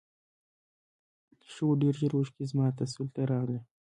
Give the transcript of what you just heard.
ښه و ډېر ژر اوښکې زما تسل ته راغلې.